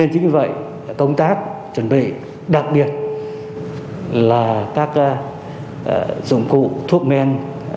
các công tác chuẩn bị đặc biệt là các dụng cụ thuốc men